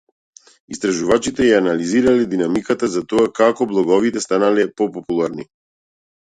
Истражувачите ја анализирале динамиката за тоа како блоговите станале популарни.